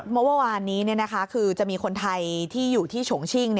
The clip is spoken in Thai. เมื่อวานนี้คือจะมีคนไทยที่อยู่ที่ฉงชิ่ง